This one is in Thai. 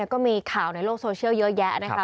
ก็มีข่าวในโลกโซเชียลเยอะแยะนะคะ